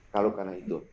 kalau karena itu